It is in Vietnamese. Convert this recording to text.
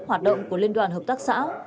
hoạt động của liên đoàn hợp tác xã